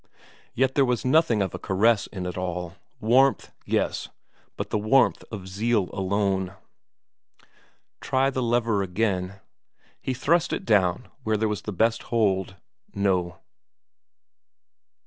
Yet there was nothing of a caress in it all. Warmth, yes, but the warmth of zeal alone. Try the lever again? He thrust it down where there was best hold no.